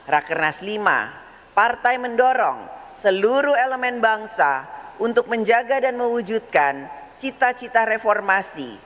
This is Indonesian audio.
rakernas lima partai mendorong seluruh elemen bangsa untuk menjaga dan mewujudkan cita cita reformasi